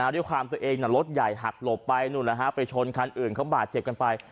ด้วยความตัวเองรถใหญ่หักหลบไปนู่นไปไปชนคันอื่นเขาบาดเจ็บกันไป